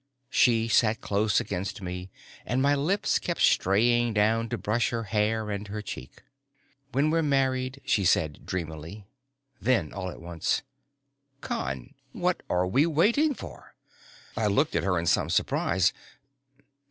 She sat close against me, and my lips kept straying down to brush her hair and her cheek. "When we're married " she said dreamily. Then all at once: "Con, what are we waiting for?" I looked at her in some surprise.